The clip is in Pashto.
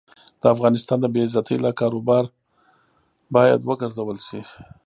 د افغانستان د بې عزتۍ له کارو باید وګرزول شي.